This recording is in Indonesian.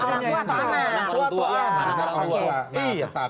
anak tua atau anak tua